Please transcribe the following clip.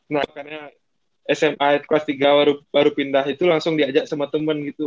nah makanya sma kelas tiga baru pindah itu langsung diajak sama temen gitu